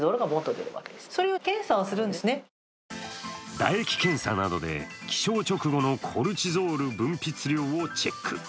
唾液検査などで起床直後のコルチゾール分泌量をチェック。